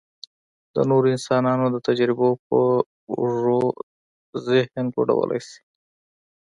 د نورو انسانانو د تجربو په اوږو ذهن لوړولی شي.